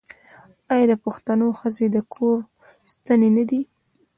آیا د پښتنو ښځې د کور ستنې نه دي؟